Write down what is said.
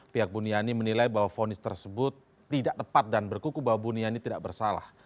pihak buniani menilai bahwa fonis tersebut tidak tepat dan berkuku bahwa buniani tidak bersalah